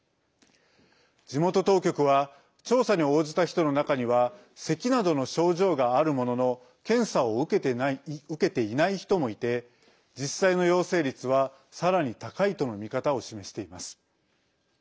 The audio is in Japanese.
地元当局は調査に応じた人の中にはせきなどの症状があるものの検査を受けていない人もいて実際の陽性率は、さらに高いとの見方を示しています。